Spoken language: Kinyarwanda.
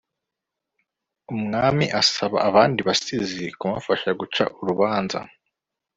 umwami asaba abandi basizi kumufasha guca urubanza